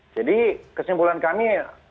jadi kesimpulan kami